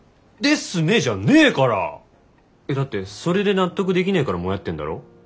「ですね！」じゃねえから！えっだってそれで納得できねぇからモヤってんだろ？